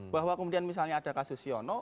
bahwa kemudian misalnya ada kasus siono